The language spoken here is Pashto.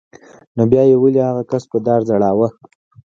نو بیا به یې هغه کس په دار ځړاوه